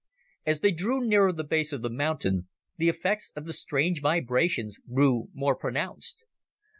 As they drew nearer the base of the mountain, the effects of the strange vibrations grew more pronounced.